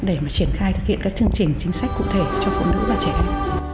để mà triển khai thực hiện các chương trình chính sách cụ thể cho phụ nữ và trẻ em